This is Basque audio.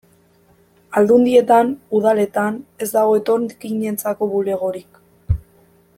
Aldundietan, udaletan, ez dago etorkinentzako bulegorik.